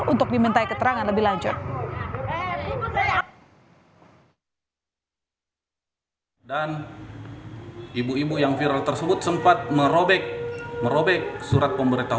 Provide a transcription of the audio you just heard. untuk diminta keterangan lebih lanjut